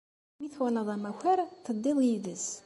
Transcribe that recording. Mi twalaḍ amakar, teddiḍ yid-s.